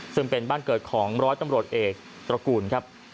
ซึ่งเป็นบ้านเกิดของร้อยตำรวจเอกตระกูลครับ